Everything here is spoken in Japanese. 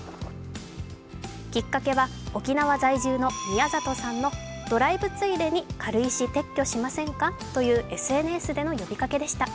きっかけは、沖縄在住の宮里さんのドライブついでに軽石撤去しませんかというＳＮＳでの呼びかけでした。